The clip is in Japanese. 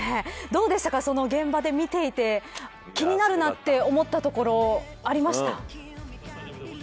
どうでしたか、現場で見ていて気になるなって思ったところありました。